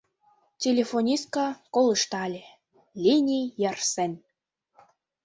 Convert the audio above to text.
Телефонистка колыштале — линий ярсен.